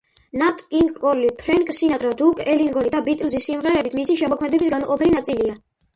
ნატ კინგ კოლი, ფრენკ სინატრა, დუკ ელინგონი და ბიტლსის სიმღერებიც მისი შემოქმედების განუყოფელი ნაწილია.